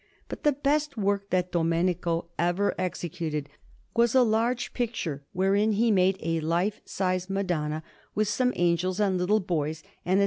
But the best work that Domenico ever executed was a large picture wherein he made a life size Madonna, with some angels and little boys, and a S.